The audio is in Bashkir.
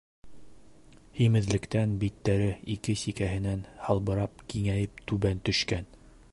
Һимеҙлектән биттәре ике сикәһенән һалбырап киңәйеп түбән төшкән.